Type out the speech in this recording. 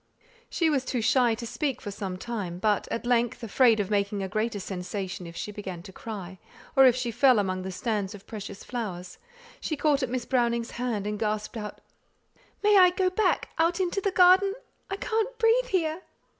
She was too shy to speak for some time; but at length, afraid of making a greater sensation if she began to cry, or if she fell against the stands of precious flowers, she caught at Miss Browning's hand, and gasped out "May I go back, out into the garden? I can't breathe here!"